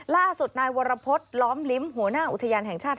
ล่าสุดนายวรพฤษล้อมลิ้มหัวหน้าอุทยานแห่งชาติ